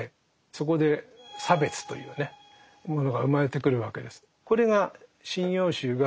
そこで差別というねものが生まれてくるわけです。